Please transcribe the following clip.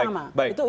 itu yang pertama